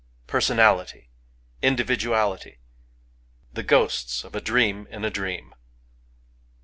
Personality! — individuality !— the ghosts of a dream in a dream